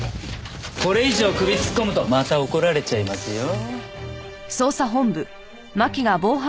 これ以上首突っ込むとまた怒られちゃいますよ。